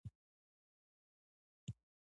تورې پیسي د انفلاسیون او د بیو د لوړوالي لامل کیږي.